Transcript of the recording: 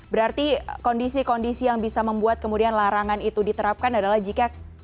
berarti kondisi kondisi yang bisa membuat kemudian larangan itu diterapkan adalah jika